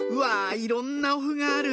いろんなお麩がある！